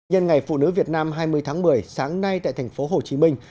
nhân ngày phụ nữ việt nam hai mươi tháng một mươi sáng nay tại thành phố hồ chí minh